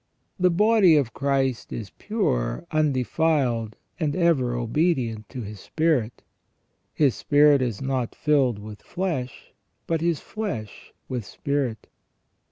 The body of Christ is pure, undefiled, and ever obedient to His spirit. His spirit is not filled with flesh, but His flesh with spirit.